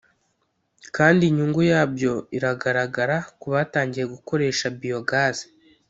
kandi inyungu yabyo iragaragara ku batangiye kugoresha biyogazi